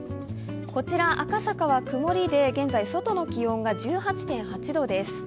こちら赤坂はくもりで現在、外の気温が１８．８度です。